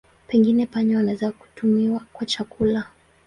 Pengine panya wanaweza kutumiwa kwa chakula.